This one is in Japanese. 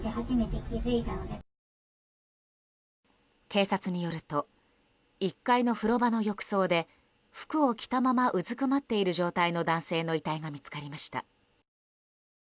警察によると１階の風呂場の浴槽で服を着たままうずくまっている状態の男性の遺体が見つかりました。